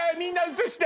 映して！